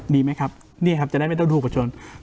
นี่ครับจะได้ไม่ต้องดูถูกประชาชน